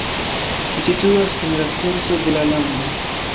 Ĝi situas en la centro de la lando.